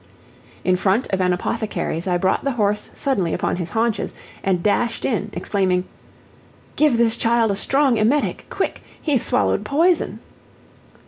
In front of an apothecary's I brought the horse suddenly upon his haunches, and dashed in, exclaiming: "Give this child a strong emetic quick. He's swallowed poison!"